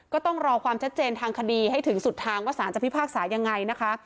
ก็ต้องรอความชัดเจนทางคดีให้ถึงสุดทางว่าสารจะพิพากษายังไงนะคะ